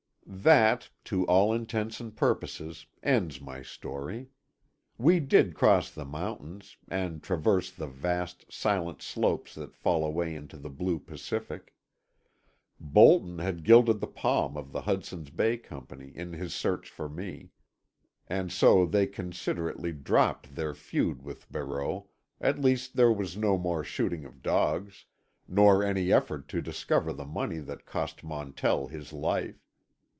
———— That, to all intents and purposes, ends my story. We did cross the mountains, and traverse the vast, silent slopes that fall away to the blue Pacific. Bolton had gilded the palm of the Hudson's Bay Company in his search for me, and so they considerately dropped their feud with Barreau—at least there was no more shooting of dogs, nor any effort to recover the money that cost Montell his life.